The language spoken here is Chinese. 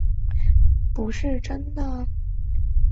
规则是不是真的